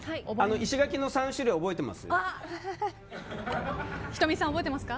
石垣の３種類、覚えてます？